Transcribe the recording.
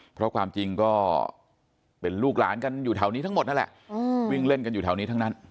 เพราะความจริงก็เป็นลูกหลานกันอยู่แถวนี้ทั้งหมดนั่นแหละวิ่งเล่นกันอยู่แถวนี้ทั้งนั้น